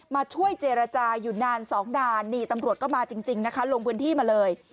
มาช่วยเจรจาอยู่นานสองนานนี่ตำรวจก็มาจริงนะคะลงพื้นที่มาเลย